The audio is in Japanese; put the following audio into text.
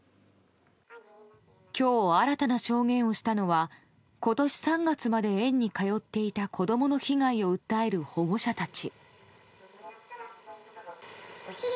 今日新たな証言をしたのは今年３月まで園に通っていた子供の被害を訴える保護者たち。